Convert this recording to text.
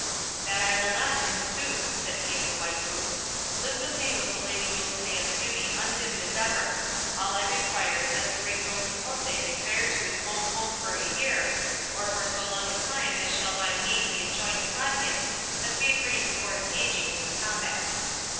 "That will I not, in sooth," said he of the White Moon; "live the fame of the lady Dulcinea's beauty undimmed as ever; all I require is that the great Don Quixote retire to his own home for a year, or for so long a time as shall by me be enjoined upon him, as we agreed before engaging in this combat."